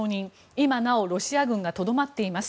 今なおロシア軍がとどまっています。